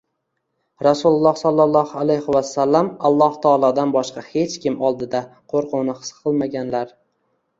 Rasululloh sollalohu alayhi vasallam Alloh taolodan boshqa hech kim oldida qo‘rquvni his qilmaganlar.